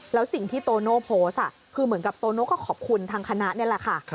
แล้วสิ่งที่โตโน่โพสต์คือเหมือนกับโตโน่ก็ขอบคุณทางคณะนี่แหละค่ะ